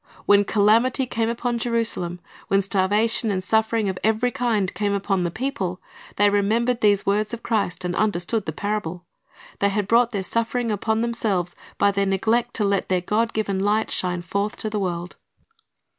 When calamity came upon Jerusalem, when starvation and suffering of every kind came upon the people, they remembered these words of Christ, and understood the parable. They had brought their suffering upon themselves by their neglect to let their God given light shine forth to the w^orld.